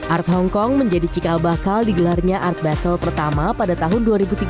art hongkong menjadi cikal bakal digelarnya art basel pertama pada tahun dua ribu tiga belas